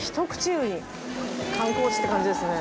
観光地って感じですね。